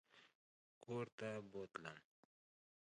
کورته بوتلم.